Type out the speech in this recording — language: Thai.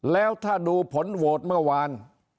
แล้วถ้าดูผลโหวตเมื่อวาน